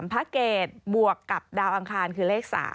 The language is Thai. พระเกตบวกกับดาวอังคารคือเลข๓